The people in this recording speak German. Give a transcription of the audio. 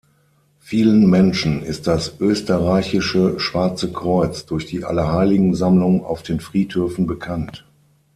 Vielen Menschen ist das Österreichische Schwarze Kreuz durch die Allerheiligen-Sammlung auf den Friedhöfen bekannt.